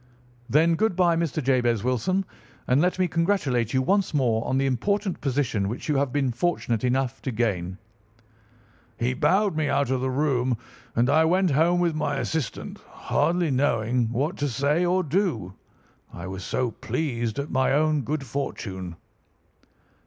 "'Then, good bye, Mr. Jabez Wilson, and let me congratulate you once more on the important position which you have been fortunate enough to gain.' He bowed me out of the room and I went home with my assistant, hardly knowing what to say or do, I was so pleased at my own good fortune.